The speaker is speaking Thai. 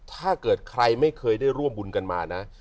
ถ้าเกิดใครไม่เคยได้ร่วมบุญกันมานะ